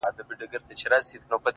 • ښکاري زرکه د خپل قام په ځان بلا وه ,